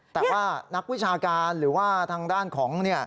แต่ว่านักวิชาการหรือว่าทางด้านของ